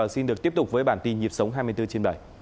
xin được tiếp tục với bản tin nhịp sống hai mươi bốn h